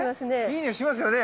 いいニオイしますよね。